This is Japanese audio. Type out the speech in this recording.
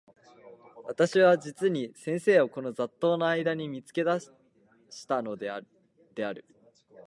私は実に先生をこの雑沓（ざっとう）の間（あいだ）に見付け出したのである。